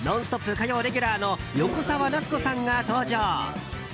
火曜レギュラーの横澤夏子さんが登場。